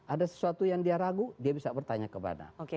ada sesuatu yang dia ragu dia bisa bertanya kepada